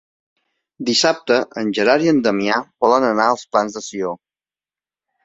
Dissabte en Gerard i en Damià volen anar als Plans de Sió.